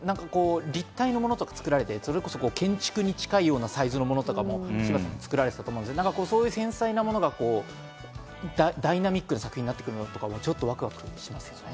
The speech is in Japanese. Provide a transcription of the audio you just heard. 立体のものとかを作られて、建築に近いサイズのものも柴田さん作られていましたが、そういう繊細なものがダイナミックな作品になってくるのがちょっとワクワクします。